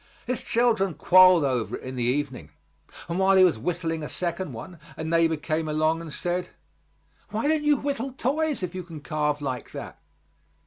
His children quarreled over it in the evening, and while he was whittling a second one, a neighbor came along and said, "Why don't you whittle toys if you can carve like that?"